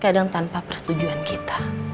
kadang tanpa persetujuan kita